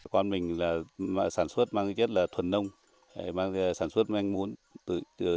con mình sản xuất mang tích chất thuần nông sản xuất mang muỗng